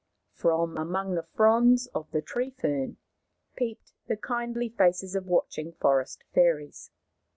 From among the fronds of the tree fern peeped the kindly faces of watching forest fairies.